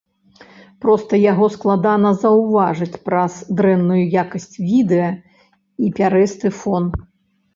Проста яго складана заўважыць праз дрэнную якасць відэа і пярэсты фон.